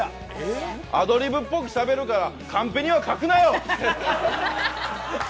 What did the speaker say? アドリブっぽくしゃべるからカンペには書くなよ！